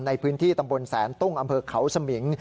ในพื้นที่ตำบลแสนตุ้งอำเภอเขาสมิง